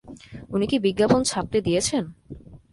উনি কি বিজ্ঞাপন ছাপতে দিয়েছেন?